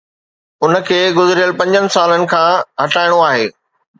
ان کي گذريل پنجن سالن کان هٽائڻو آهي